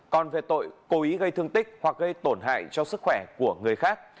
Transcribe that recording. còn về tội cố ý gây thương tích hoặc gây tổn hại cho sức khỏe của người khác